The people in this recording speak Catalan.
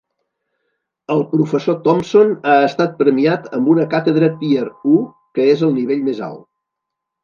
El professor Thompson ha estat premiat amb una càtedra Tier I, que és el nivell més alt.